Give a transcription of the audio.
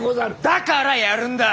だからやるんだ。